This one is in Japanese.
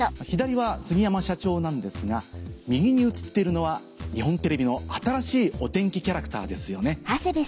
左は杉山社長なんですが右に写っているのは日本テレビの新しいお天気キャラクターですよね。